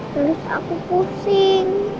terus aku pusing